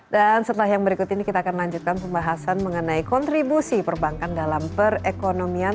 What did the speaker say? dan setelah yang berikut ini kita akan lanjutkan pembahasan mengenai kontribusi perbankan dalam perekonomian